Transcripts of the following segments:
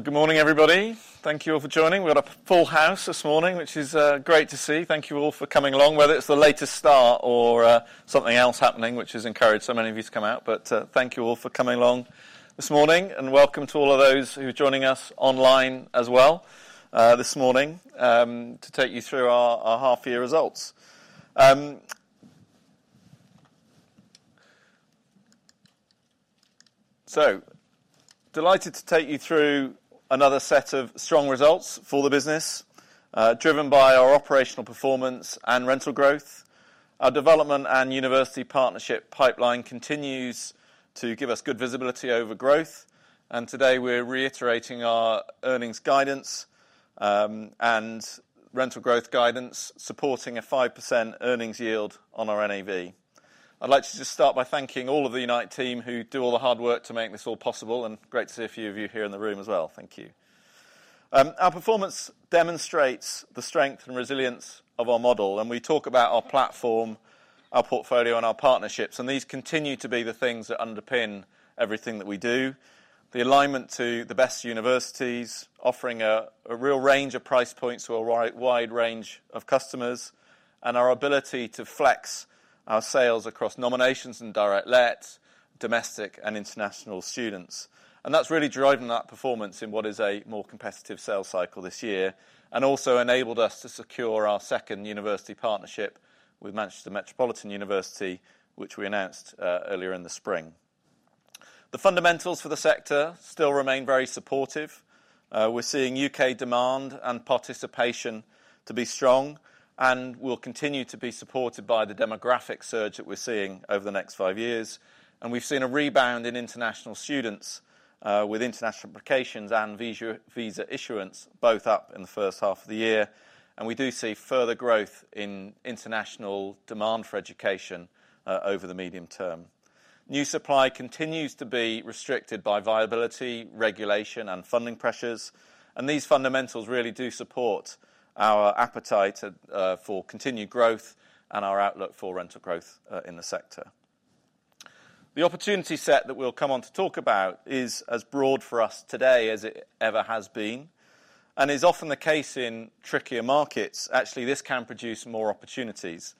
Good morning everybody. Thank you all for joining. We've got a full house this morning, which is great to see. Thank you all for coming along, whether it's the latest star or something else happening, which has encouraged so many of you to come out. Thank you all for coming along this morning and welcome to all of those who are joining us online as well this morning to take you through our half year results. Delighted to take you through another set of strong results for the business driven by our operational performance and rental growth. Our development and university partnership pipeline continues to give us good visibility over growth, and today we're reiterating our earnings guidance and rental growth guidance, supporting a 5% earnings yield on our NAV. I'd like to just start by thanking all of the Unite team who do all the hard work to make this all possible, and great to see a few of you here in the room as well. Thank you. Our performance demonstrates the strength and resilience of our model, and we talk about our platform, our portfolio, and our partnerships, and these continue to be the things that underpin everything that we do. The alignment to the best universities, offering a real range of price points to a wide range of customers, and our ability to flex our sales across nominations and direct let domestic and international students. That's really driving that performance in what is a more competitive sales cycle this year and also enabled us to secure our second university partnership with Manchester Metropolitan University, which we announced earlier in the spring. The fundamentals for the sector still remain very supportive. We're seeing U.K. demand and participation to be strong and will continue to be supported by the demographic surge that we're seeing over the next five years. We've seen a rebound in international students, with international applications and visa issuance both up in the first half of the year. We do see further growth in international demand for education over the medium term. New supply continues to be restricted by viability, regulation, and funding pressures, and these fundamentals really do support our appetite for continued growth and our outlook for rental growth in the sector. The opportunity set that we'll come on to talk about is as broad for us today as it ever has been and is often the case in trickier markets. Actually, this can produce more opportunities.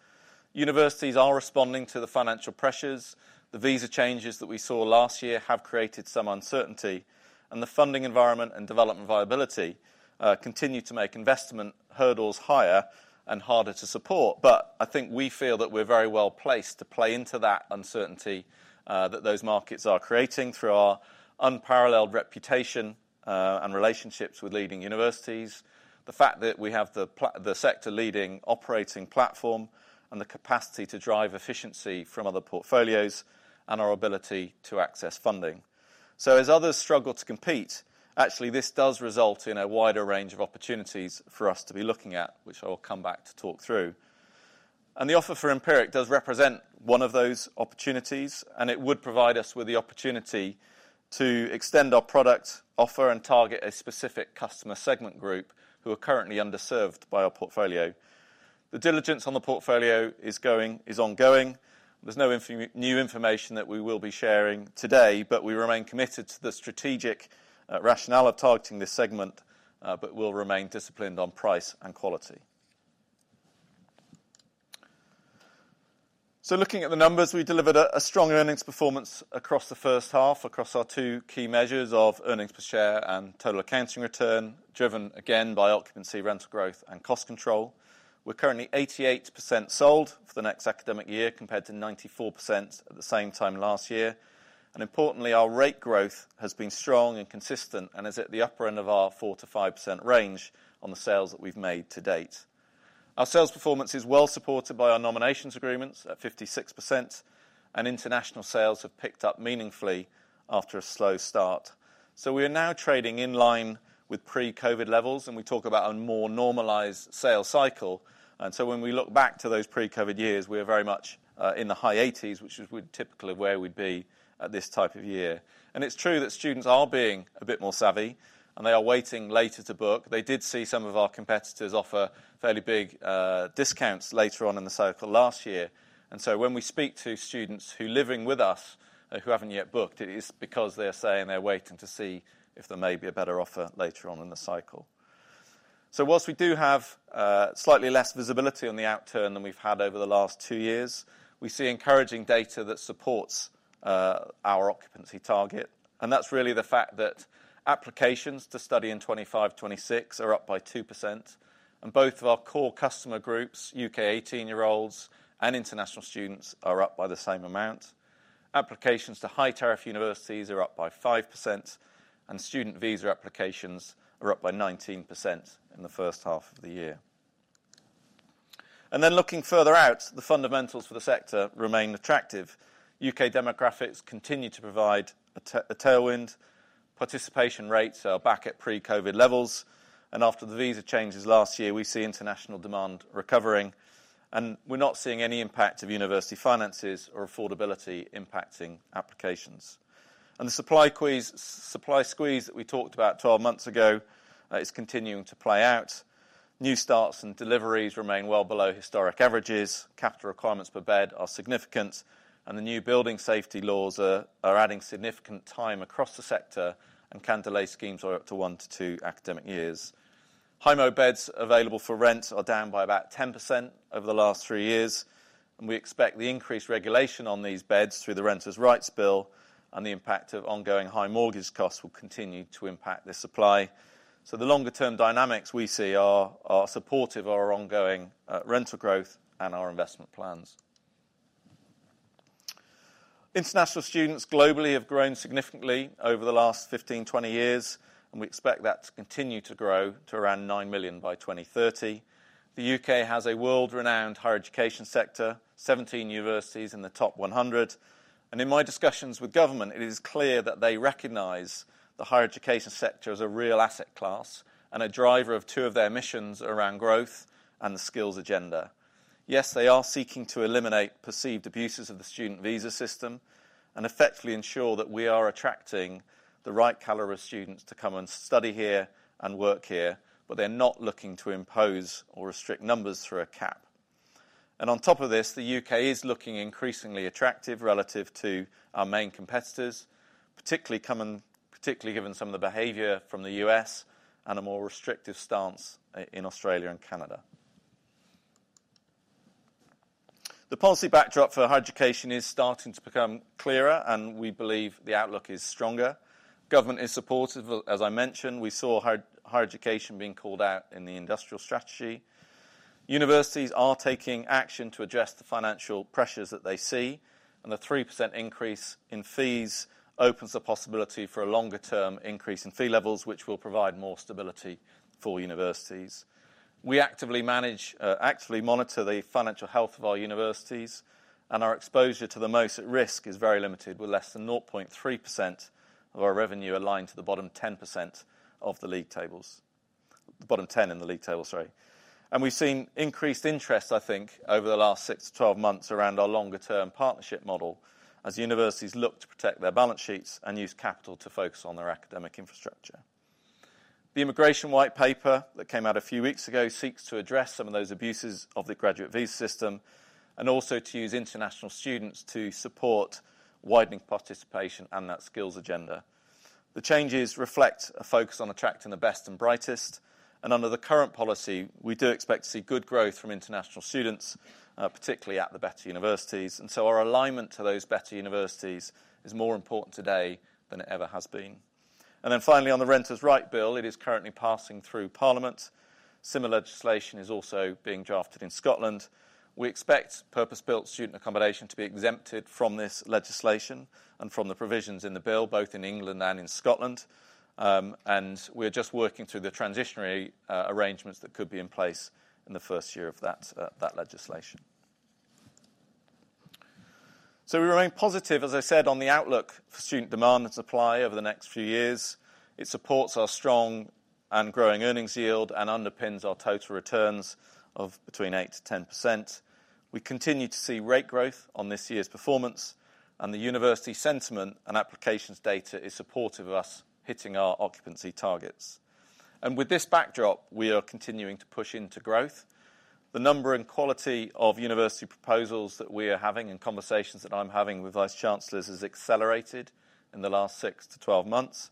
Universities are responding to the financial pressures. The visa changes that we saw last year have created some uncertainty, and the funding environment and development viability continue to make investment hurdles higher and harder to support. I think we feel that we're very well placed to play into that uncertainty that those markets are creating through our unparalleled reputation and relationships with leading universities. The fact that we have the sector-leading operating platform and the capacity to drive efficiency from other portfolios and our ability to access funding so as others struggle to compete actually does result in a wider range of opportunities for us to be looking at, which I will come back to talk through. The offer for Empiric does represent one of those opportunities, and it would provide us with the opportunity to extend our product offer and target a specific customer segment group who are currently underserved by our portfolio. The diligence on the portfolio is ongoing. There's no new information that we will be sharing today, but we remain committed to the strategic rationale of targeting this segment, but will remain disciplined on price and quality. Looking at the numbers, we delivered a strong earnings performance across the first half across our two key measures of earnings per share and total accounting return, driven again by occupancy, rental growth, and cost control. We're currently 88% sold for the next academic year compared to 94% at the same time last year. Importantly, our rate growth has been strong and consistent and is at the upper end of our 4%-5% range on the sales that we've made to date. Our sales performance is well supported by our nominations agreements at 56%, and international sales have picked up meaningfully after a slow start. We are now trading in line with pre-Covid levels, and we talk about a more normalized sales cycle. When we look back to those pre-Covid years, we are very much in the high 80s, which is typical of where we'd be at this type of year. It's true that students are being a bit more savvy, and they are waiting later to book. They did see some of our competitors offer fairly big discounts later on in the cycle last year. When we speak to students who are living with us who haven't yet booked, it is because they're saying they're waiting to see if there may be a better offer later on in the cycle. Whilst we do have slightly less visibility on the outturn than we've had over the last two years, we see encouraging data that supports our occupancy target. That's really the fact that applications to study in 2025, 2026 are up by 2% and both of our core customer groups, U.K. 18 year olds and international students, are up by the same amount. Applications to high tariff universities are up by 5% and student visa applications are up by 19% in the first half of the year. Looking further out, the fundamentals for the sector remain attractive. U.K. demographics continue to provide a tailwind. Participation rates are back at pre-COVID levels and after the visa changes last year, we see international demand recovering. We're not seeing any impact of university finances or affordability impacting applications. The supply squeeze that we talked about 12 months ago is continuing to play out. New starts and deliveries remain well below historic averages. Capital requirements per bed are significant and the new building safety laws are adding significant time across the sector and can delay schemes up to one to two academic years. HIMO beds available for rent are down by about 10% over the last three years and we expect the increased regulation on these beds through the Renters Rights Bill and the impact of ongoing high mortgage costs will continue to impact this supply. The longer term dynamics we see are supportive of our ongoing rental growth and our investment plans. International students globally have grown significantly over the last 15, 20 years and we expect that to continue to grow to around 9 million by 2030. The U.K. has a world-renowned higher education sector, 17 universities in the top 100. In my discussions with government, it is clear that they recognize the higher education sector as a real asset class and a driver of two of their missions around growth and the skills agenda. Yes, they are seeking to eliminate perceived abuses of the student visa system and effectively ensure that we are attracting the right caliber of students to come and study here and work here. They're not looking to impose or restrict numbers through a cap. On top of this, the U.K. is looking increasingly attractive relative to our main competitors, particularly given some of the behavior from the U.S. and a more restrictive stance in Australia and Canada. The policy backdrop for higher education is starting to become clearer, and we believe the outlook is stronger. Government is supportive. As I mentioned, we saw higher education being called out in the industrial strategy. Universities are taking action to address the financial pressures that they see, and the 3% increase in fees opens the possibility for a longer-term increase in fee levels, which will provide more stability for universities. We actively manage, actively monitor the financial health of our universities, and our exposure to the most at risk is very limited, with less than 0.3% of our revenue aligned to the bottom 10 in the league table. We've seen increased interest, I think, over the last six to twelve months around our longer-term partnership model as universities look to protect their balance sheets and use capital to focus on their academic infrastructure. The immigration white paper that came out a few weeks ago seeks to address some of those abuses of the graduate visa system and also to use international students to support widening participation and that skills agenda. The changes reflect a focus on attracting the best and brightest. Under the current policy, we do expect to see good growth from international students, particularly at the better universities. Our alignment to those better universities is more important today than it ever has been. Finally, on the Renters Right Bill, it is currently passing through Parliament. Similar legislation is also being drafted in Scotland. We expect purpose-built student accommodation to be exempted from this legislation and from the provisions in the bill both in England and in Scotland. We are just working through the transitionary arrangements that could be in place in the first year of that legislation. We remain positive, as I said, on the outlook for student demand and supply over the next few years. It supports our strong and growing earnings yield and underpins our total returns of between 8%-10%. We continue to see rate growth on this year's performance, and the university sentiment and applications data is supportive of us hitting our occupancy targets. With this backdrop, we are continuing to push into growth. The number and quality of university proposals that we are having and conversations that I'm having with Vice Chancellors has accelerated in the last six to twelve months,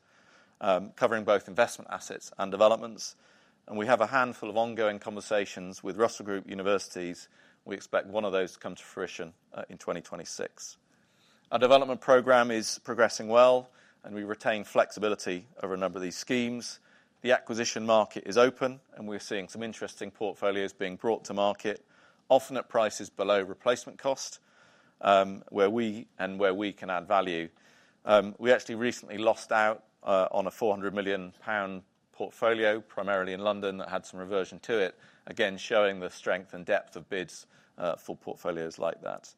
covering both investment assets and developments. We have a handful of ongoing conversations with Russell Group universities. We expect one of those to come to fruition in 2026. Our development pipeline is progressing well, and we retain flexibility over a number of these schemes. The acquisition market is open, and we're seeing some interesting portfolios being brought to market, often at prices below replacement cost and where we can add value. We actually recently lost out on a 400 million pound portfolio, primarily in London, that had some reversion to it, again showing the strength and depth of bids for portfolios like that.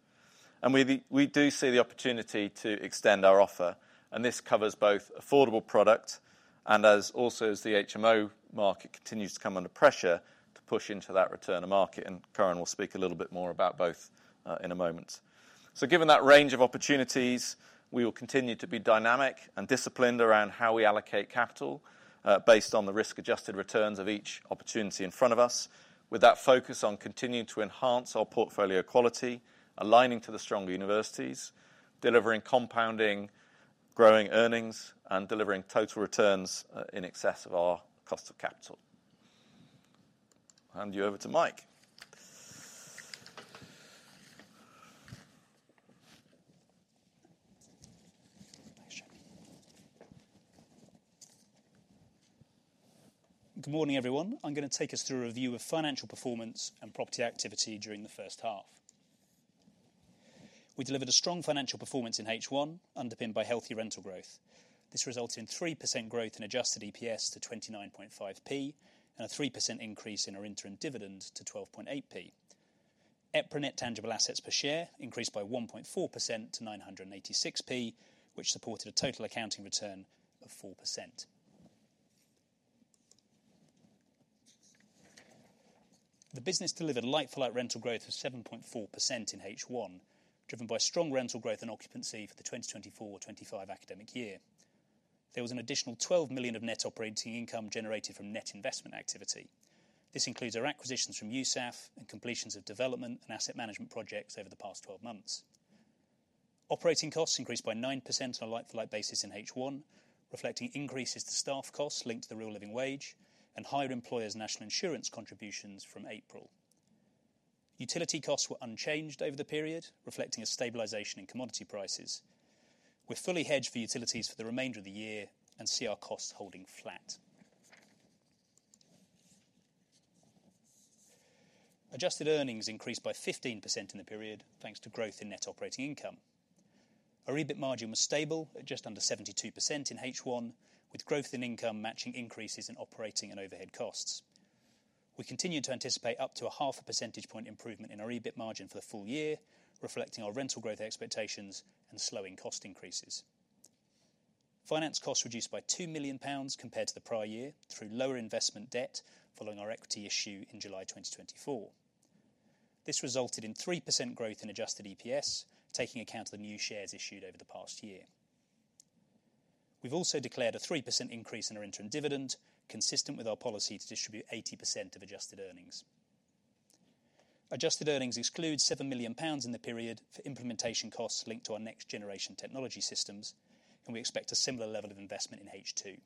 We do see the opportunity to extend our offer. This covers both affordable product and also as the HMO market continues to come under pressure to push into that return to market. Karan will speak a little bit more about both in a moment. Given that range of opportunities, we will continue to be dynamic and disciplined around how we allocate capital based on the risk-adjusted returns of each opportunity in front of us. With that focus on continuing to enhance our portfolio quality, aligning to the stronger universities, delivering compounding growing earnings, and delivering total returns in excess of our cost of capital. I'll hand you over to Mike. Good morning everyone. I'm going to take us through a review of financial performance and property activity during the first half. We delivered a strong financial performance in H1 underpinned by healthy rental growth. This resulted in 3% growth in adjusted EPS to 0.295 and a 3% increase in our interim dividend to 0.128. EPRA net tangible assets per share increased by 1.4% to 9.86, which supported a total accounting return of 4%. The business delivered like-for-like rental growth of 7.4% in H1 driven by strong rental growth and occupancy. For the 2024-2025 academic year, there was an additional 12 million of net operating income generated from net investment activity. This includes our acquisitions from USAF and completions of development and asset management projects over the past 12 months. Operating costs increased by 9% on a like-for-like basis in H1, reflecting increases to staff costs linked to the real living wage and higher employers' national insurance contributions from April. Utility costs were unchanged over the period reflecting a stabilization in commodity prices. We're fully hedged for utilities for the remainder of the year and see our costs holding flat. Adjusted earnings increased by 15% in the period thanks to growth in net operating income. Our EBIT margin was stable at just under 72% in H1 with growth in income matching increases in operating and overhead costs. We continue to anticipate up to a half a percentage point improvement in our EBIT margin for the full year, reflecting our rental growth expectations and slowing cost increases. Finance costs reduced by 2 million pounds compared to the prior year through lower investment debt following our equity issue in July 2024. This resulted in 3% growth in adjusted EPS taking account of the new shares issued over the past year. We've also declared a 3% increase in our interim dividend consistent with our policy to distribute 80% of adjusted earnings. Adjusted earnings excludes 7 million pounds in the period for implementation costs linked to our next generation technology systems and we expect a similar level of investment in H2.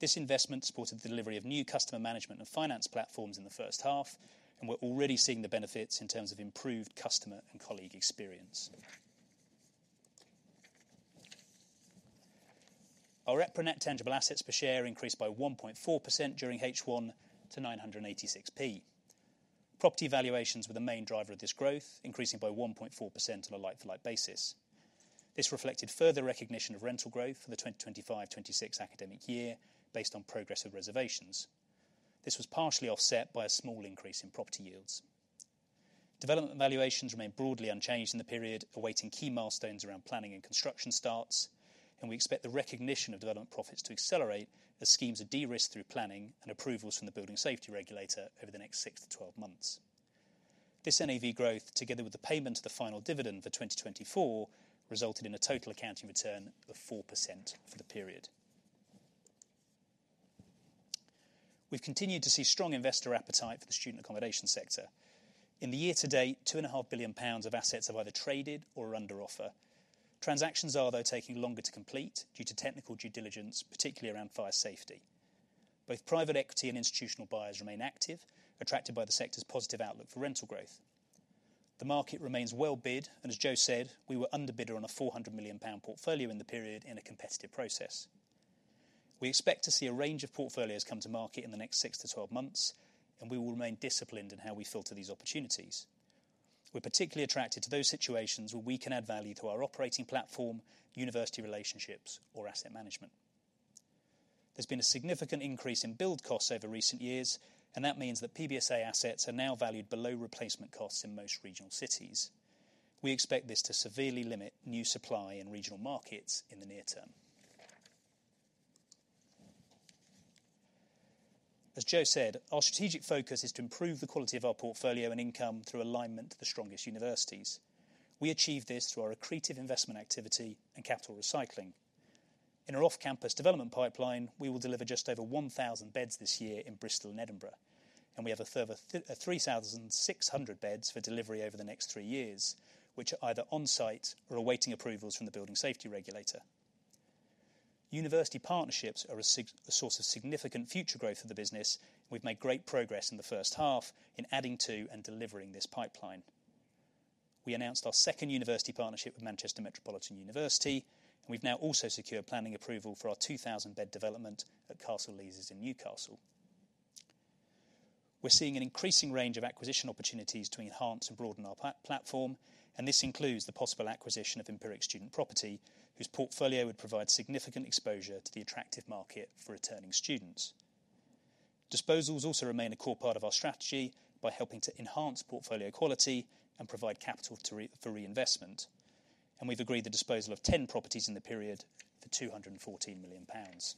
This investment supported the delivery of new customer management and finance platforms in the first half and we're already seeing the benefits in terms of improved customer and colleague experience. Our EPRA net tangible assets per share increased by 1.4% during H1 to 9.86. Property valuations were the main driver of this growth, increasing by 1.4% on a like-for-like basis. This reflected further recognition of rental growth for the 2025-2026 academic year based on progress of reservations. This was partially offset by a small increase in property yields. Development valuations remain broadly unchanged in the period, awaiting key milestones around planning and construction starts, and we expect the recognition of development profits to accelerate as schemes are de-risked through planning and approvals from the building safety regulator over the next 6-12 months. This NAV growth, together with the payment of the final dividend for 2024, resulted in a total accounting return of 4% for the period. We've continued to see strong investor appetite for the student accommodation sector. In the year to date, 2.5 billion pounds of assets have either traded or are under offer. Transactions are, though, taking longer to complete due to technical due diligence, particularly around fire safety. Both private equity and institutional buyers remain active, attracted by the sector's positive outlook for rental growth. The market remains well bid, and as Joe said, we were under-bidder on a 400 million pound portfolio in the period. In a competitive process, we expect to see a range of portfolios come to market in the next 6-12 months, and we will remain disciplined in how we filter these opportunities. We're particularly attracted to those situations where we can add value to our operating platform, university relationships, or asset management. There's been a significant increase in build costs over recent years, and that means that PBSA assets are now valued below replacement costs in most regional cities. We expect this to severely limit new supply in regional markets in the near term. As Joe said, our strategic focus is to improve the quality of our portfolio and income through alignment to the strongest universities. We achieve this through our accretive investment activity and capital recycling in our off-campus development pipeline. We will deliver just over 1,000 beds this year in Bristol and Edinburgh, and we have a further 3,600 beds for delivery over the next three years, which are either on site or awaiting approvals from the building safety regulator. University partnerships are a source of significant future growth of the business. We've made great progress in the first half in adding to and delivering this pipeline. We announced our second university partnership with Manchester Metropolitan University. We've now also secured planning approval for our 2,000-bed development at Castle Leazes in Newcastle. We're seeing an increasing range of acquisition opportunities to enhance and broaden our platform, and this includes the possible acquisition of Empiric Student Property, whose portfolio would provide significant exposure to the attractive market for returning students. Disposals also remain a core part of our strategy by helping to enhance portfolio quality and provide capital for reinvestment, and we've agreed the disposal of 10 properties in the period for 214 million pounds.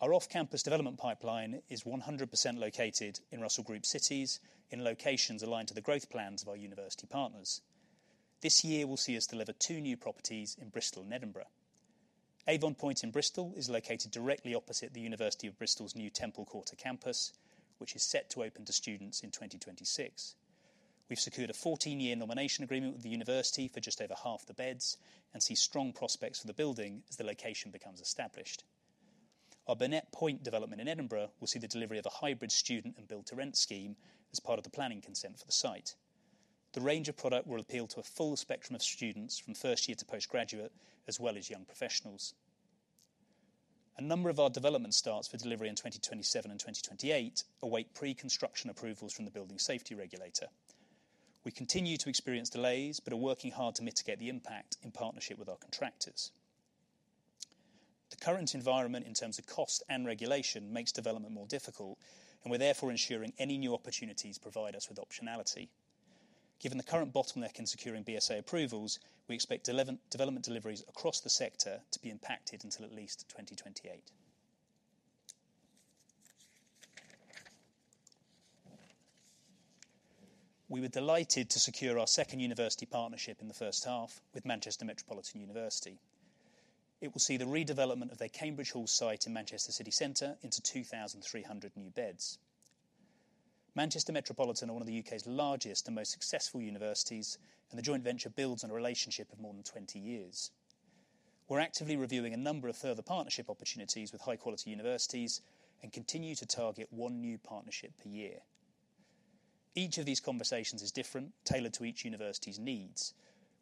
Our off-campus development pipeline is 100% located in Russell Group cities in locations aligned to the growth plans of our university partners. This year will see us deliver two new properties in Bristol and Edinburgh. Avon Point in Bristol is located directly opposite the University of Bristol's new Temple Quarter campus, which is set to open to students in 2026. We've secured a 14-year nomination agreement with the university for just over half the beds and see strong prospects for the building as the location becomes established. Our Burnett Point development in Edinburgh will see the delivery of a hybrid student and build-to-rent scheme as part of the planning consent for the site. The range of product will appeal to a full spectrum of students from first year to postgraduate as well as young professionals. A number of our development starts for delivery in 2027 and 2028 await pre-construction approvals from the Building Safety Regulator. We continue to experience delays but are working hard to mitigate the impact in partnership with our contractors. The current environment in terms of cost and regulation makes development more difficult, and we're therefore ensuring any new opportunities provide us with optionality. Given the current bottleneck in securing BSA approvals, we expect development deliveries across the sector to be impacted until at least 2028. We were delighted to secure our second university partnership in the first half with Manchester Metropolitan University. It will see the redevelopment of their Cambridge Hall site in Manchester city centre into 2,300 new beds. Manchester Metropolitan are one of the U.K.'s largest and most successful universities, and the joint venture builds on a relationship of more than 20 years. We're actively reviewing a number of further partnership opportunities with high quality universities and continue to target one new partnership per year. Each of these conversations is different, tailored to each university's needs.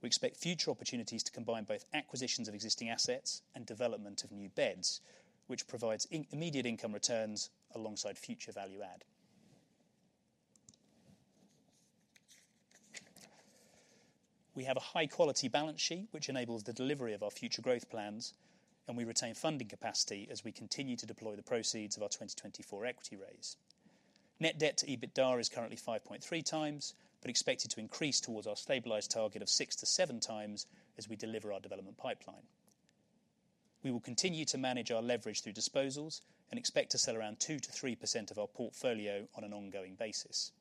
We expect future opportunities to combine both acquisitions of existing assets and development of new beds, which provides immediate income returns alongside future value add. We have a high quality balance sheet which enables the delivery of our future growth plans, and we retain funding capacity as we continue to deploy the proceeds of our 2024 equity raise. Net debt to EBITDA is currently 5.3x but expected to increase towards our stabilized target of 6x-7x as we deliver our development pipeline. We will continue to manage our leverage through disposals and expect to sell around 2%-3% of our portfolio on an ongoing basis.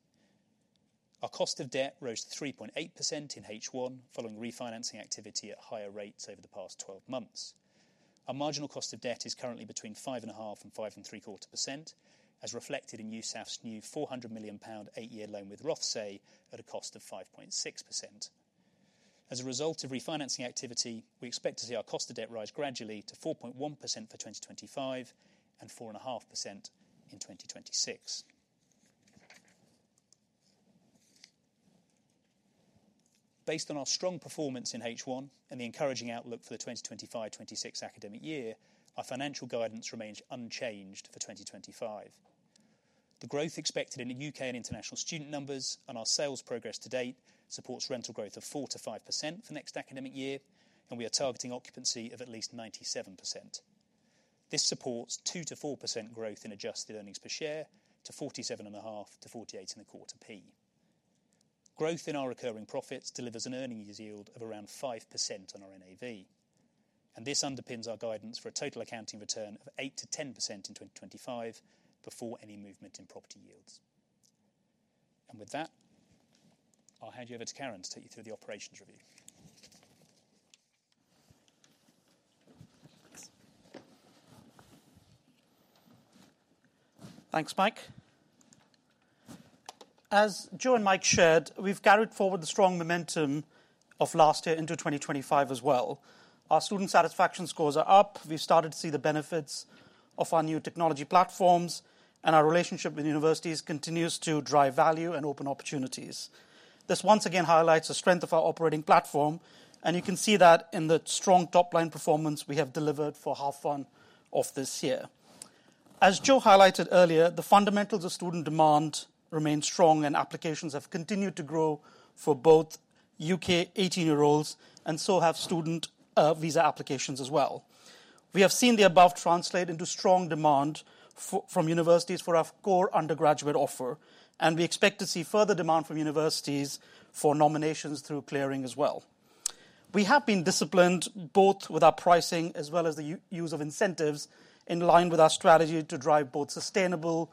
Our cost of debt rose to 3.8% in H1 following refinancing activity at higher rates over the past 12 months. Our marginal cost of debt is currently between 5.5% and 5.75% as reflected in USAF's new 400 million pound eight year loan with Rothesay at a cost of 5.6%. As a result of refinancing activity, we expect to see our cost of debt rise gradually to 4.1% for 2025 and 4.5% in 2026. Based on our strong performance in H1 and the encouraging outlook for the 2025-2026 academic year, our financial guidance remains unchanged for 2025. The growth expected in the U.K. and international student numbers and our sales progress to date supports rental growth of 4%-5% for next academic year, and we are targeting occupancy of at least 97%. This supports 2%-4% growth in adjusted earnings per share to 0.475-0.4875. Growth in our recurring profits delivers an earnings yield of around 5% on our NAV, and this underpins our guidance for a total accounting return of 8%-10% in 2025 before any movement in property yields. With that, I'll hand you over to Karan to take you through the operations. Thanks Mike. As Joe and Mike shared, we've carried forward the strong momentum of last year into 2025 as well. Our student satisfaction scores are up, we started to see the benefits of our new technology platforms, and our relationship with universities continues to drive value and open opportunities. This once again highlights the strength of our operating platform, and you can see that in the strong top line performance we have delivered for half one of this year. As Joe highlighted earlier, the fundamentals of student demand remain strong, and applications have continued to grow for both U.K. 18 year olds, and so have student visa applications as well. We have seen the above translate into strong demand from universities for our core undergraduate offer, and we expect to see further demand from universities for nominations through clearing as well. We have been disciplined both with our pricing as well as the use of incentives in line with our strategy to drive both sustainable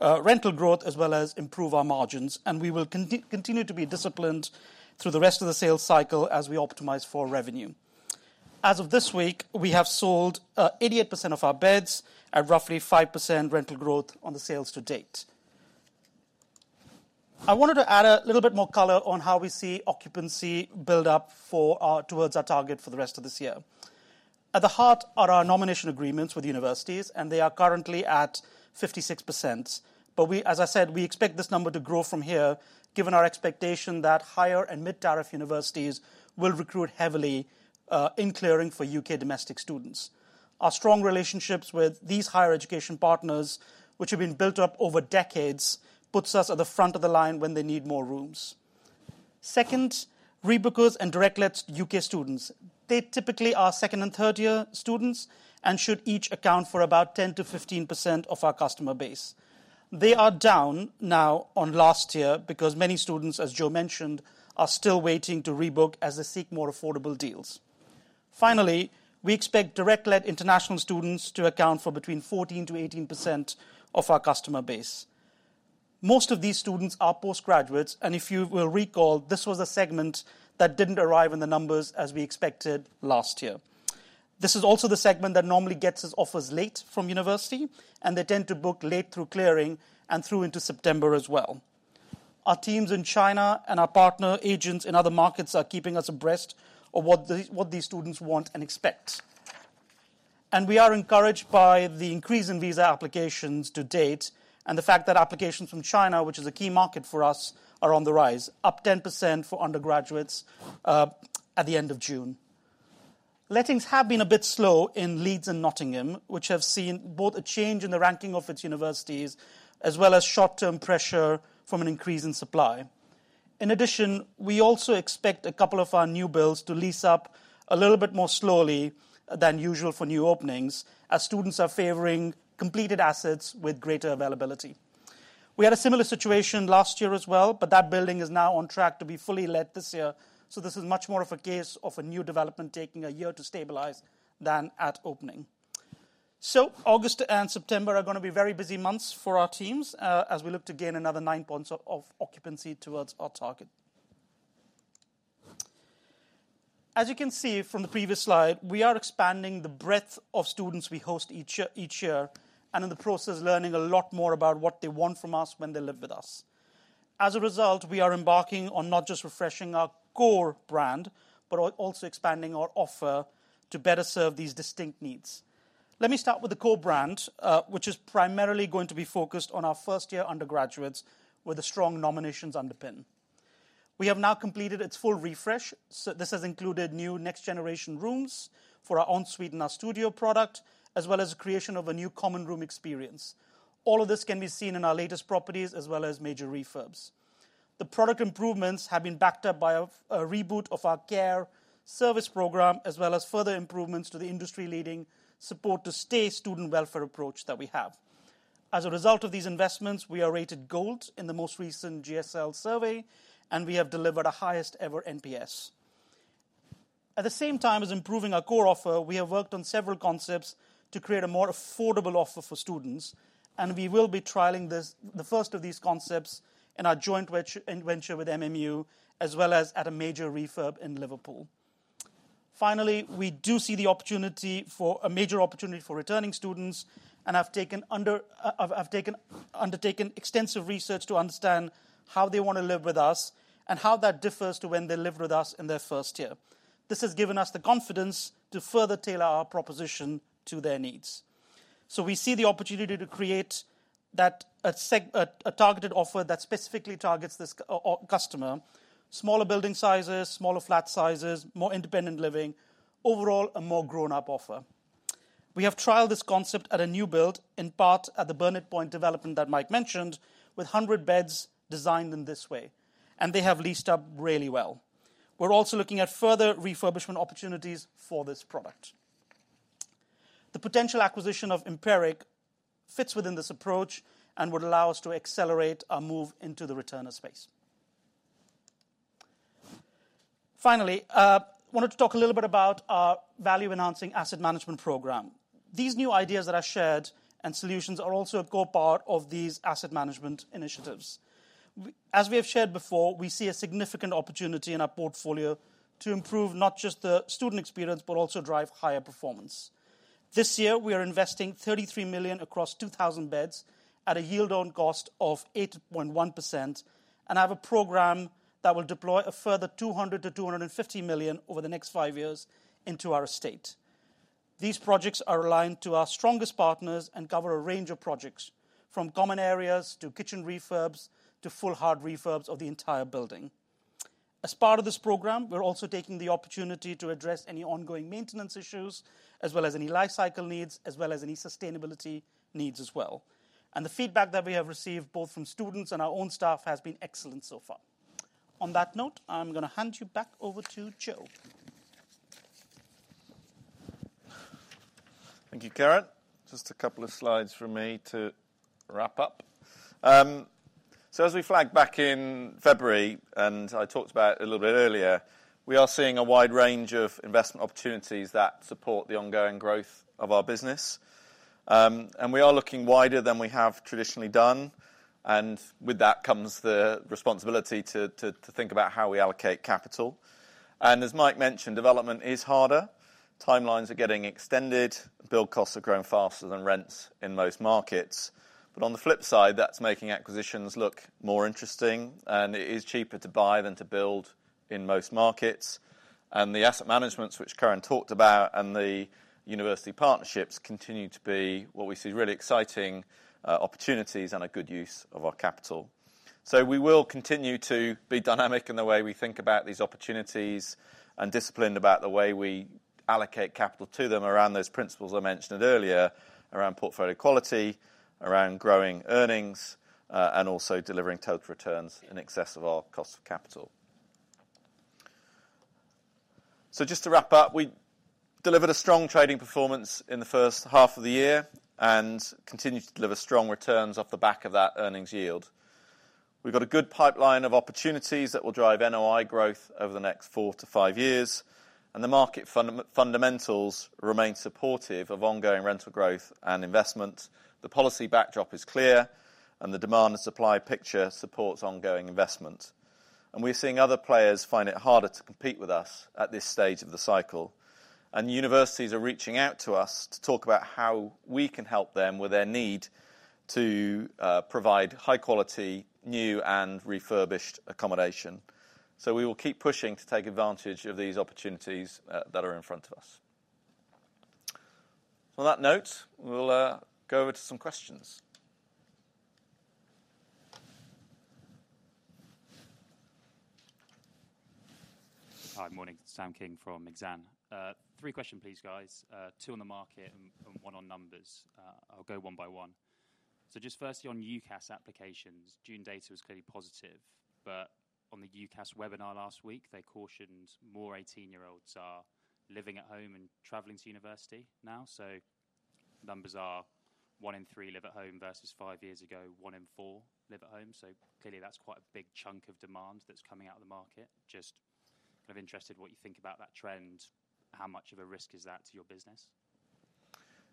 rental growth as well as improve our margins, and we will continue to be disciplined through the rest of the sales cycle as we optimize for revenue. As of this week, we have sold 88% of our beds at roughly 5% rental growth on the sales to date. I wanted to add a little bit more color on how we see occupancy build up towards our target for the rest of this year. At the heart are our nomination agreements with universities, and they are currently at 56%, but as I said, we expect this number to grow from here given our expectation that higher and mid tariff universities will recruit heavily in clearing for U.K. domestic students. Our strong relationships with these higher education partners, which have been built up over decades, put us at the front of the line when they need more rooms. Second, rebookers and direct lets U.K. students, they typically are second and third year students and should each account for about 10%-15% of our customer base. They are down now on last year because many students, as Joe mentioned, are still waiting to rebook as they seek more affordable deals. Finally, we expect direct let international students to account for between 14%-18% of our customer base. Most of these students are postgraduates, and if you will recall, this was a segment that didn't arrive in the numbers as we expected last year. This is also the segment that normally gets its offers late from university, and they tend to book late through clearing and through into September as well. Our teams in China and our partner agents in other markets are keeping us abreast of what these students want and expect, and we are encouraged by the increase in visa applications to date and the fact that applications from China, which is a key market for us, are on the rise, up 10% for undergraduates at the end of June. Lettings have been a bit slow in Leeds and Nottingham, which have seen both a change in the ranking of its universities as well as short-term pressure from an increase in supply. In addition, we also expect a couple of our new builds to lease up a little bit more slowly than usual for new openings, as students are favoring completed assets with greater availability. We had a similar situation last year as well, but that building is now on track to be fully let this year. This is much more of a case of a new development taking a year to stabilize than at opening. August and September are going to be very busy months for our teams as we look to gain another nine points of occupancy towards our target. As you can see from the previous slide, we are expanding the breadth of students we host each year and in the process learning a lot more about what they want from us when they live with us. As a result, we are embarking on not just refreshing our core brand but also expanding our offer to better serve these distinct needs. Let me start with the core brand, which is primarily going to be focused on our first-year undergraduates where the strong nominations underpin. We have now completed its full refresh. This has included new next-generation rooms for our ensuite and our studio product as well as the creation of a new common room experience. All of this can be seen in our latest properties as well as major refurbs. The product improvements have been backed up by a reboot of our Care Service program as well as further improvements to the industry-leading support to stay student welfare approach that we have. As a result of these investments, we are rated gold in the most recent GSL survey and we have delivered a highest ever NPS. At the same time as improving our core offer, we have worked on several concepts to create a more affordable offer for students and we will be trialing the first of these concepts in our joint venture with Manchester Metropolitan University as well as at a major refurb in Liverpool. Finally, we do see the opportunity for a major opportunity for returning students and have undertaken extensive research to understand how they want to live with us and how that differs to when they lived with us in their first year. This has given us the confidence to further tailor our proposition to their needs, so we see the opportunity to create a targeted offer that specifically targets this customer. Smaller building sizes, smaller flat sizes, more independent living overall, a more grown up offer. We have trialed this concept at a new build in part at the Burnett Point development that Mike mentioned with 100 beds designed in this way, and they have leased up really well. We're also looking at further refurbishment opportunities for this product. The potential acquisition of Empiric fits within this approach and would allow us to accelerate our move into the returner space. Finally, I wanted to talk a little bit about our value enhancing asset management program. These new ideas that are shared and solutions are also a core part of these asset management initiatives. As we have shared before, we see a significant opportunity in our portfolio to improve not just the student experience but also drive higher performance. This year we are investing 33 million across 2,000 beds at a yield on cost of 8.1% and have a program that will deploy a further 200-250 million over the next five years into our estate. These projects are aligned to our strongest partners and cover a range of projects from common areas to kitchen refurbs to full hard refurbs of the entire building. As part of this program, we're also taking the opportunity to address any ongoing maintenance issues as well as any life cycle needs as well as any sustainability needs as well. The feedback that we have received both from students and our own staff has been excellent so far. On that note, I'm going to hand you back over to Joe. Thank you Karan. Just a couple of slides for me to wrap up. As we flagged back in February and I talked about a little bit earlier, we are seeing a wide range of investment opportunities that support the ongoing growth of our business and we are looking wider than we have traditionally done. With that comes the responsibility to think about how we allocate capital. As Mike mentioned, development is harder, timelines are getting extended, build costs are growing faster than rents in most markets. On the flip side, that's making acquisitions look more interesting and it is cheaper to buy than to build in most markets. The asset managements which Karan talked about and the university partnerships continue to be what we see really exciting opportunities and a good use of our capital. We will continue to be dynamic in the way we think about these opportunities and disciplined about the way we allocate capital to them around those principles I mentioned earlier, around portfolio quality, around growing earnings and also delivering total returns in excess of our cost of capital. Just to wrap up, we delivered a strong trading performance in the first half of the year and continue to deliver strong returns off the back of that earnings yield. We've got a good pipeline of opportunities that will drive NOI growth over the next four to five years. The market fundamentals remain supportive of ongoing rental growth and investment. The policy backdrop is clear and the demand and supply picture supports ongoing investment. We're seeing other players find it harder to compete with us at this stage of the cycle. Universities are reaching out to us to talk about how we can help them with their need to provide high quality new and refurbished accommodation. We will keep pushing to take advantage of these opportunities that are in front of us. On that note, we'll go over to some questions. Hi. Morning. Sam King from Exan. Three questions please, guys. Two on the market and one on numbers. I'll go one by one. Firstly, on UCAS applications, June data is clearly positive. On the UCAS webinar last week, they cautioned more 18 year olds are living at home and traveling to university now. Numbers are 1 in 3 live at home versus 5 years ago 1 in 4 live at home. Clearly, that's quite a big chunk of demand that's coming out of the market. I'm just kind of interested what you think about that trend. How much of a risk is that to your business?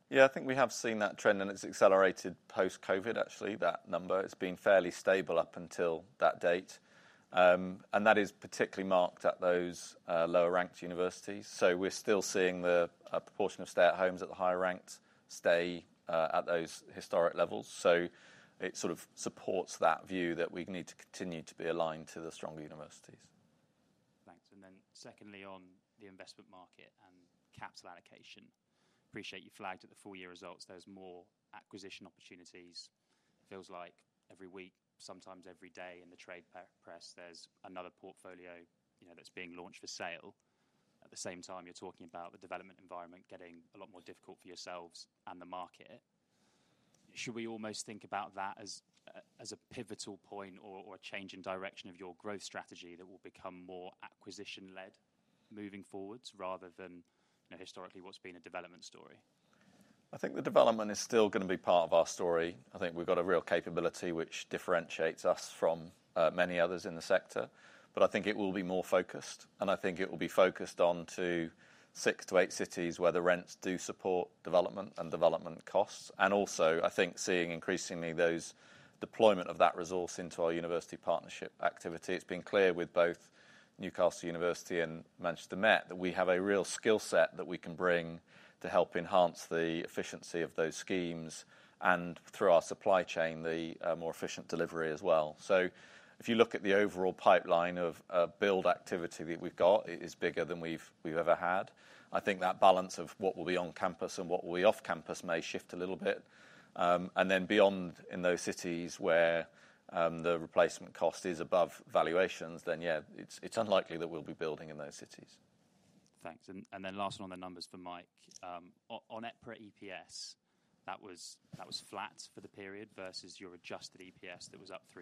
Yeah, I think we have seen that trend and it's accelerated post Covid. Actually, that number has been fairly stable up until that date, and that is particularly marked at those lower ranked universities. We're still seeing the proportion of stay at homes at the higher ranked stay at those historic levels. It sort of supports that view that we need to continue to be aligned to the stronger universities. Thanks. Secondly, on the investment market and capital allocation, appreciate you flagged at the full year results there's more acquisition opportunity. It feels like every week, sometimes every day in the trade press, there's another portfolio that's being launched for sale. At the same time, you're talking about the development environment getting a lot more difficult for yourselves and the market. Should we almost think about that as a pivotal point or a change in direction of your growth strategy that will become more acquisition led, moving forwards rather than historically what's been a development story? I think the development is still going to be part of our story. I think we've got a real capability which differentiates us from many others in the sector. I think it will be more focused, and I think it will be focused on six to eight cities where the rents do support development and development costs. I think seeing increasingly those deployment of that resource into our university partnership activity. It's been clear with both Newcastle University and Manchester Met that we have a real skill set that we can bring to help enhance the efficiency of those schemes, and through our supply chain, the more efficient delivery as well. If you look at the overall pipeline of build activity that we've got, it is bigger than we've ever had. I think that balance of what will be on campus and what will be off campus may shift a little bit. In those cities where the replacement cost is above valuations, then yeah, it's unlikely that we'll be building in those cities. Thanks. Last on the numbers for Mike, on EPRA EPS that was flat for the period versus your adjusted EPS that was up 3%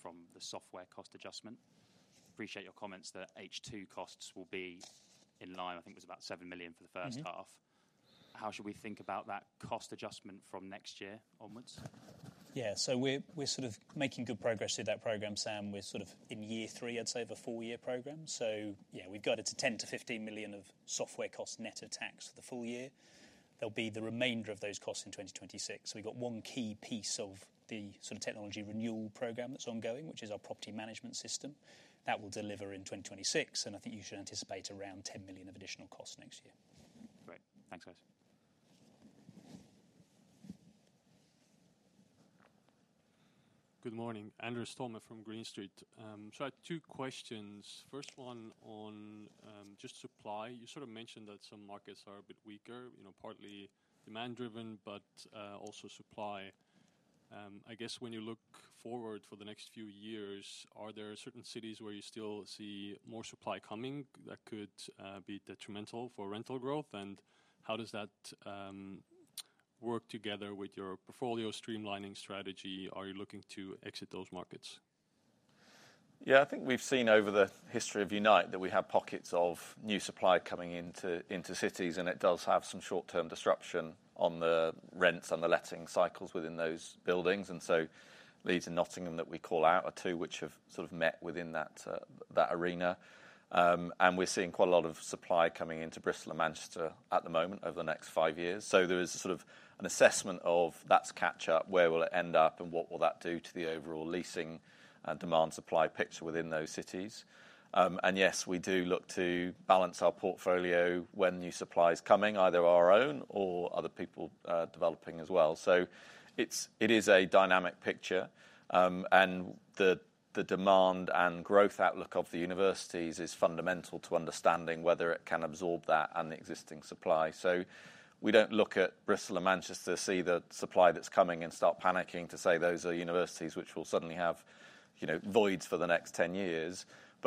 from the software cost adjustment. I appreciate your comments that H2 costs will be in line. I think it was about 7 million for the first half. How should we think about that cost adjustment from next year onwards? Yeah, we're making good progress through that program, Sam. We're in year three of a four-year program. We've got it to 10-15 million of software cost net of tax for the full year. There will be the remainder of those costs in 2026. We've got one key piece of the technology renewal program that's ongoing, which is our property management system that will deliver in 2026, and I think you should anticipate around 10 million of additional costs next year. Great, thanks. Good morning, Andrew Stolmer from Green Street. I had two questions. First one on just supply, you sort of mentioned that some markets are a bit weaker, you know, partly demand driven, but also supply, I guess. When you look forward for the next few years, are there certain cities where you still see more supply coming that could be detrimental for rental growth? How does that work together with your portfolio streamlining strategy? Are you looking to exit those markets? Yeah, I think we've seen over the history of Unite that we have pockets of new supply coming into cities, and it does have some short-term disruption on the rents and the letting cycles within those buildings. Leeds and Nottingham that we call out are two which have sort of met within that arena. We're seeing quite a lot of supply coming into Bristol and Manchester at the moment over the next five years. There is sort of an assessment of that's catch up, where will it end up, and what will that do to the overall leasing demand-supply picture within those cities? Yes, we do look to balance our portfolio when new supply is coming, either our own or other people developing as well. It is a dynamic picture, and the demand and growth outlook of the universities is fundamental to understanding whether it can absorb that and the existing supply. We don't look at Bristol and Manchester, see the supply that's coming, and start panicking to say those are universities which will suddenly have voids for the next 10 years.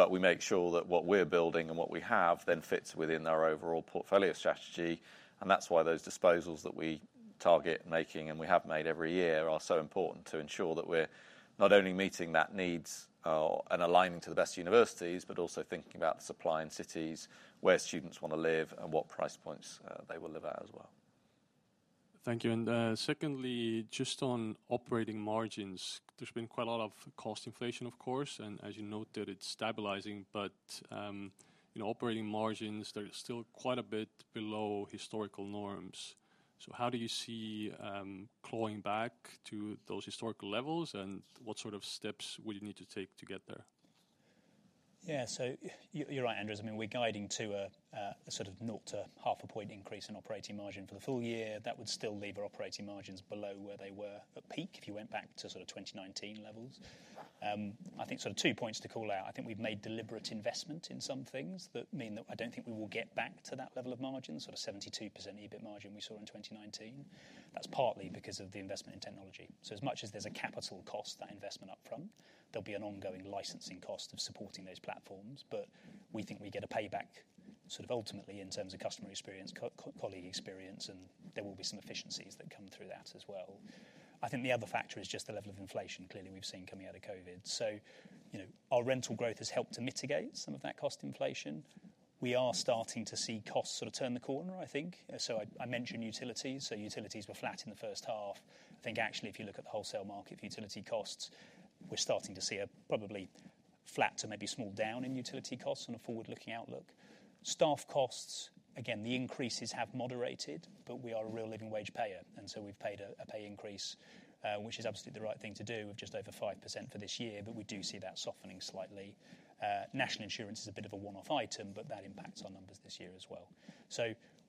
We make sure that what we're building and what we have then fits within our overall portfolio strategy. That's why those disposals that we target making and we have made every year are so important to ensure that we're not only meeting that need and aligning to the best universities, but also thinking about the supply in cities where students want to live and what price points they will live at as well. Thank you. Secondly, just on operating margins, there's been quite a lot of cost inflation, of course, and as you noted, it's stabilizing. Operating margins are still quite a bit below historical norms. How do you see clawing back to those historical levels, and what sort of steps would you need to take to get there? Yeah, so you're right, Andrew. I mean we're guiding to a sort of nought to half a point increase in operating margin for the full year. That would still leave our operating margins below where they were at peak. If you went back to sort of 2019 levels, I think sort of two points to call out. I think we've made deliberate investment in some things that mean that I don't think we will get back to that level of margin, sort of 72% EBIT margin. We saw in 2019, that's partly because of the investment in technology. As much as there's a capital cost, that investment up front, there'll be an ongoing licensing cost of supporting those platforms. We think we get a payback ultimately in terms of customer experience, colleague experience, and there will be some efficiencies that come through that as well. I think the other factor is just the level of inflation clearly we've seen coming out of COVID. Our rental growth has helped to mitigate some of that cost inflation. We are starting to see costs turn the corner, I think. I mentioned utilities. Utilities were flat in the first half. I think actually if you look at the wholesale market, utility costs, we're starting to see a probably flat to maybe small down in utility costs and a forward looking outlook. Staff costs, again, the increases have moderated but we are a real living wage payer and so we've paid a pay increase which is absolutely the right thing to do with just over 5% for this year. We do see that softening slightly. National insurance is a bit of a one off item, but that impacts our numbers this year as well.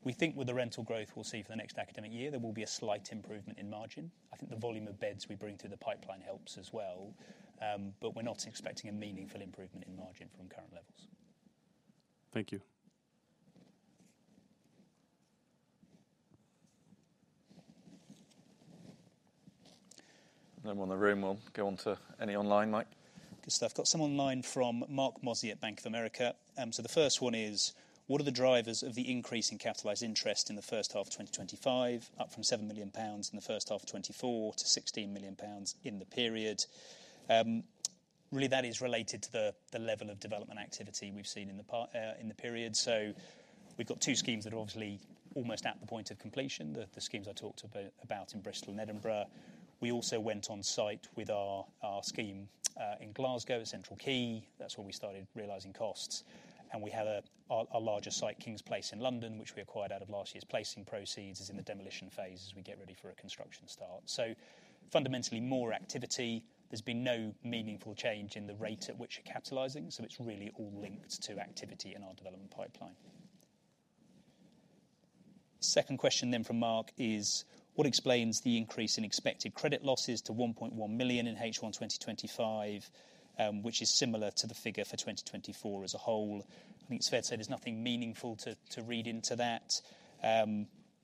We think with the rental growth we'll see for the next academic year, there will be a slight improvement in margin. I think the volume of beds we bring to the pipeline helps as well, but we're not expecting a meaningful improvement in margin from current levels. Thank you. No one in the room will go on to any online. Mike, I've got some online from Mark Mozzie at Bank of America. The first one is what are the drivers of the increase in capitalized interest in the first half 2025, up from 7 million pounds in the first half of 2024 to 16 million pounds in the period. Really that is related to the level of development activity we've seen in the period. We've got two schemes that are obviously almost at the point of completion, the schemes I talked about in Bristol and Edinburgh. We also went on site with our scheme in Glasgow at Central Quay. That's where we started realizing costs. We have a larger site, King's Place in London, which we acquired out of last year's placing proceeds, is in the demolition phase as we get ready for a construction start. Fundamentally more activity. There's been no meaningful change in the rate at which you're capitalizing, so it's really all linked to activity in our development pipeline. Second question from Mark is what explains the increase in expected credit losses to 1.1 million in H1 2025, which is similar to the figure for 2024 as a whole. I think it's fair to say there's nothing meaningful to read into that.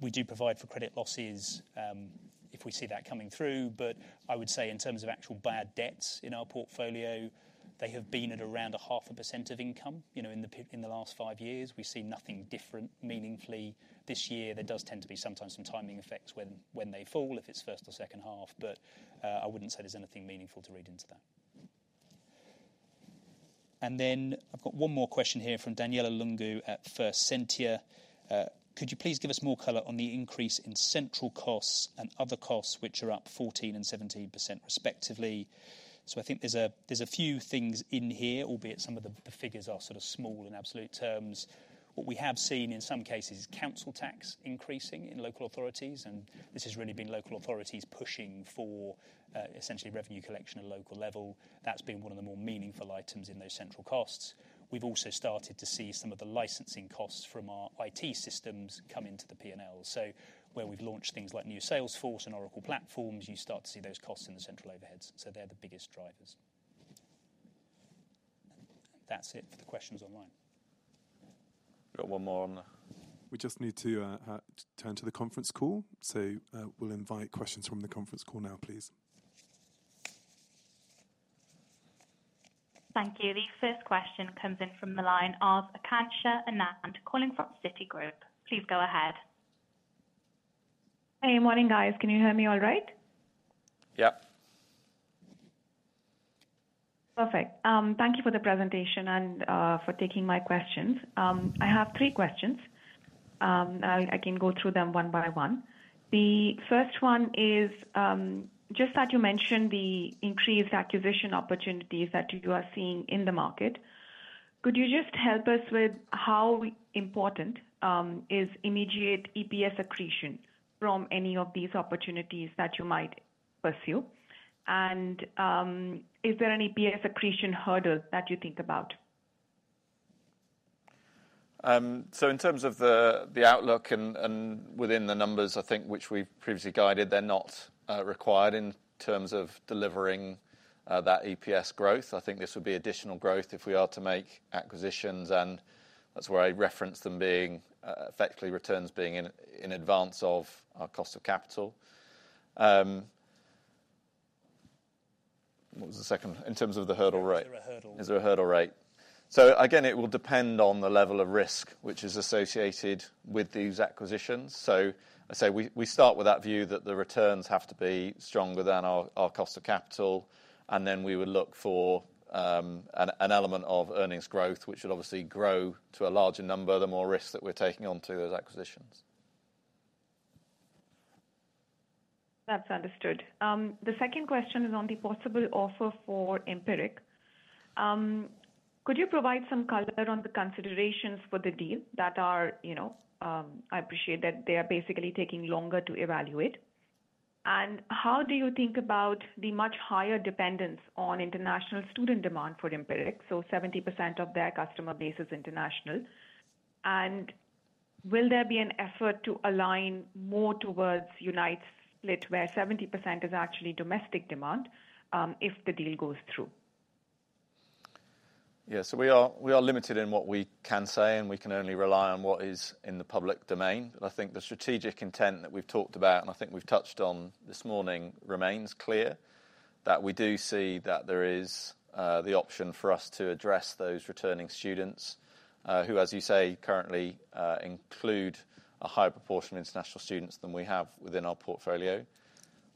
We do provide for credit losses if we see that coming through. I would say in terms of actual bad debts in our portfolio, they have been at around 0.5% of income in the last five years. We see nothing different meaningfully this year. There does tend to be sometimes some timing effects when they fall, if it's first or second half, but I wouldn't say there's anything meaningful to read into that. I've got one more question here from Daniela Lungu at First. Could you please give us more color on the increase in central costs and other costs, which are up 14%, and 17% respectively? I think there's a few things in here, albeit some of the figures are sort of small in absolute terms. What we have seen in some cases is council tax increasing in local authorities, and this has really been local authorities pushing for essentially revenue collection at a local level. That's been one of the more meaningful items in those central costs. We've also started to see some of the licensing costs from our IT systems come into the P&L. Where we've launched things like new Salesforce and Oracle platforms, you start to see those costs in the central overheads. They're the biggest drivers. That's it for the questions online. Got one more on there. We just need to turn to the conference call. We'll invite questions from the conference call now, please. Thank you. The first question comes in from the line of Akansha Anand. Please go ahead. Hey, morning, guys. Can you hear me all right? Yep. Perfect. Thank you for the presentation and for taking my questions. I have three questions. I can go through them one by one. The first one is just that you mentioned the increased acquisition opportunities that you are seeing in the market. Could you just help us with how important is immediate EPS accretion from any of these opportunities that you might pursue? Is there any EPS accretion hurdle that you think about? In terms of the outlook and within the numbers, I think, which we've previously guided, they're not required in terms of delivering that EPS growth. I think this would be additional growth if we are to make acquisitions. That's where I reference them being effectively returns being in advance of our cost of capital. What was the second in terms of the hurdle rate? Is there a hurdle rate? It will depend on the level of risk which is associated with these acquisitions. I say we start with that view that the returns have to be stronger than our cost of capital. Then we would look for an element of earnings growth, which will obviously grow to a larger number the more risks that we're taking on to those acquisitions. That's understood. The second question is on the possible offer for Empiric, could you provide some color on the considerations for the deal that are. I appreciate that they are basically taking longer to evaluate. How do you think about the much higher dependence on international student demand for Empiric? So 70% of their customer base is international, and will there be an effort to align more towards Unite's split, where 70% is actually domestic demand if the deal goes through? Yeah. We are limited in what we can say and we can only rely on what is in the public domain. I think the strategic intent that we've talked about and I think we've touched on this morning remains clear. We do see that there is the option for us to address those returning students who, as you say, currently include a higher proportion of international students than we have within our portfolio.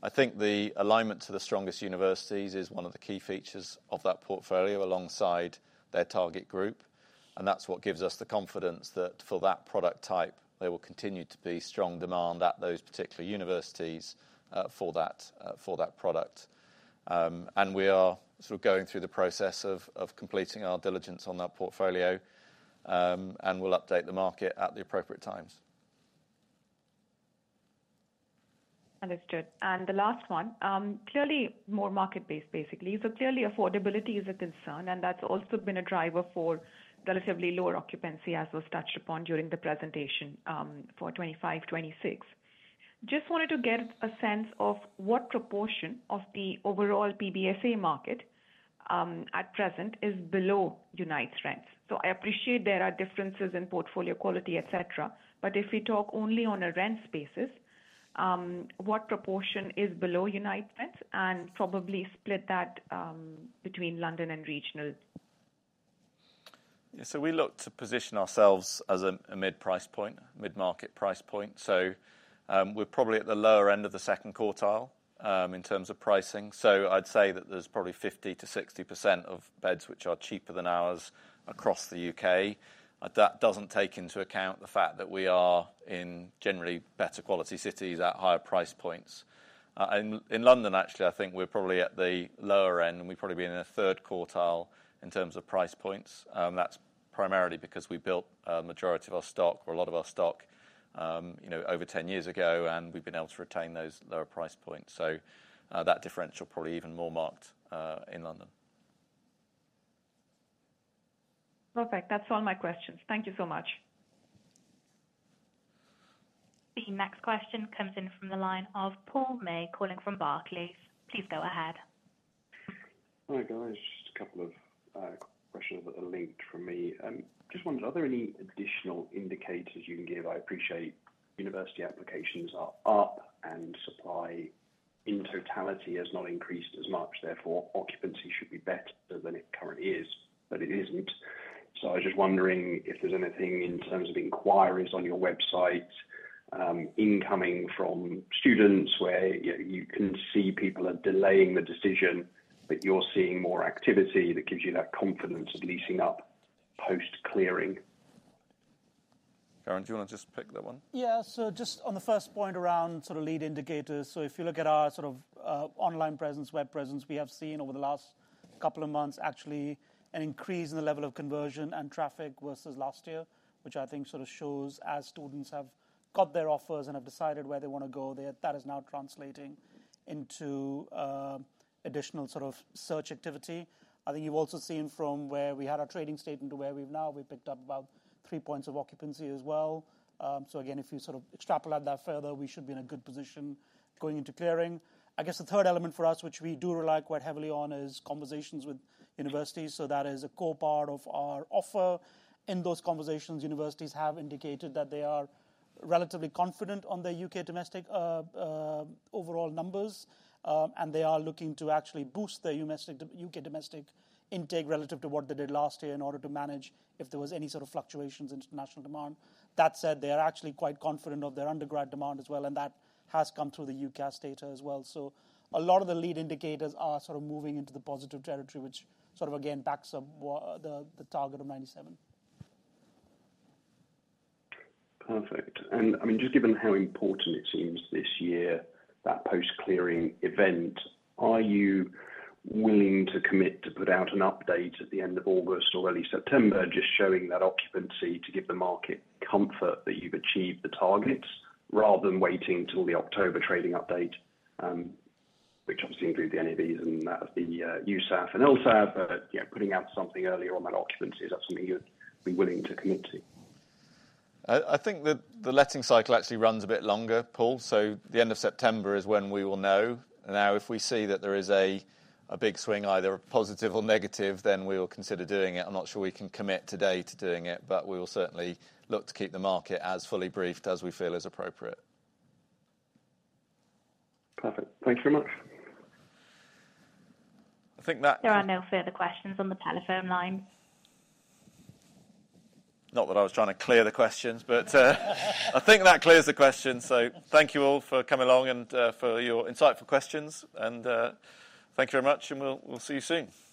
I think the alignment to the strongest universities is one of the key features of that portfolio alongside their target group. That's what gives us the confidence that for that product type there will continue to be strong demand at those particular universities for that product. We are going through the process of completing our diligence on that portfolio and we'll update the market at the appropriate times. Understood. The last one is clearly more market based, basically. Clearly, affordability is a concern and that's also been a driver for relatively lower occupancy, as was touched upon during the presentation for 2025, 2026. I just wanted to get a sense of what proportion of the overall PBSA market at present is below Unite's rents. I appreciate there are differences in portfolio quality, etc. If we talk only on a rents basis, what proportion is below Unite's rents and probably split that between London and regional. We look to position ourselves as a mid price point, mid market price point. We're probably at the lower end of the second quartile in terms of pricing. I'd say that there's probably 50%-60% of beds which are cheaper than ours across the U.K. That doesn't take into account the fact that we are in generally better quality cities at higher price points. In London, actually, I think we're probably at the lower end and we'd probably be in the third quartile in terms of price points. That's primarily because we built a majority of our stock or a lot of our stock over 10 years ago and we've been able to retain those lower price points. That differential is probably even more marked in London. Perfect. That's all my questions. Thank you so much. The next question comes in from the line of Paul May calling from Barclays. Please go ahead. Hi, guys, just a couple of questions that are linked from me. Just wondered, are there any additional indicators you can give? I appreciate university applications are up and supply in totality has not increased as much. Therefore occupancy should be better than it currently is, but it isn't. I was just wondering if there's anything in terms of inquiries on your website, incoming from students where you can see people are delaying the decision, but you're seeing more activity that gives you that confidence of leasing up post clearing. Karan, do you want to just pick that one? Yeah. Just on the first point around lead indicators, if you look at our online presence, web presence, we have seen over the last couple of months actually an increase in the level of conversion and traffic versus last year, which I think shows as students have got their offers and have decided where they want to go, that is now translating into additional search activity. I think you've also seen from where we had our trading statement to where we are now, we picked up about 3% of occupancy as well. If you extrapolate that further, we should be in a good position going into clearing. The third element for us, which we do rely quite heavily on, is conversations with universities. That is a core part of our offer. In those conversations, universities have indicated that they are relatively confident on their U.K. domestic overall numbers and they are looking to actually boost their U.K. domestic intake relative to what they did last year in order to manage if there was any fluctuations in international demand. That said, they are actually quite confident of their undergrad demand as well, and that has come through the UCAS data as well. A lot of the lead indicators are moving into the positive territory, which backs up the target of 97%. Perfect. Given how important it seems this year, that post clearing event, are you willing to commit to put out an update at the end of August or early September, just showing that occupancy to give the market comfort that you've achieved the targets, rather than waiting until the October trading update? Which obviously includes the NAVs and the USAF and LSAT, putting out something earlier on that occupancy. Is that something you'd be willing to commit to? I think the letting cycle actually runs a bit longer, Paul. The end of September is when we will know. If we see that there is a big swing, either positive or negative, then we will consider doing it. I'm not sure we can commit today to doing it, but we will certainly look to keep the market as fully briefed as we feel is appropriate. Perfect. Thanks very much. I think that there are no further questions on the telephone line. I think that clears the questions. Thank you all for coming along and for your insightful questions, and thank you very much. We'll see you soon. Thank you.